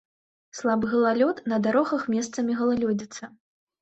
Слабы галалёд, на дарогах месцамі галалёдзіца.